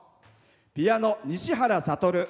ピアノ、西原悟。